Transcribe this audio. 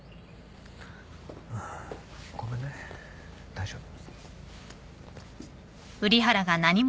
ごめんね大丈夫？